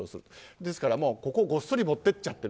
ですからごっそり持って行っちゃってる。